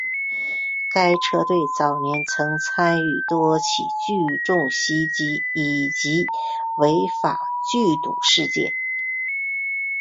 该车队早年曾参与多起聚众袭击以及违法聚赌事件。